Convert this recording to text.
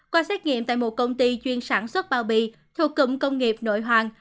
qua xét nghiệm tại một công ty chuyên sản xuất bao bì thuộc cụm công nghiệp nội hoàng